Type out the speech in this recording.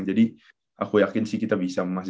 jadi aku yakin sih kita bisa emas